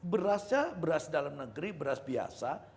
berasnya beras dalam negeri beras biasa